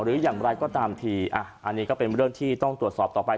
หรืออย่างไรก็ตามทีอ่ะอันนี้ก็เป็นเรื่องที่ต้องตรวจสอบต่อไป